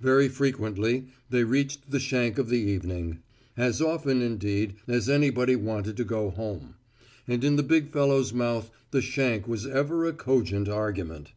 Very frequently they reached the shank of the evening as often, indeed, as anybody wanted to go home. And in the big fellow's mouth the shank was ever a cogent argument.